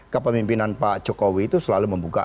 kepemimpinan pak jokowi itu selalu membuka